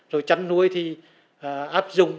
rồi chăn nuôi thì áp dụng cái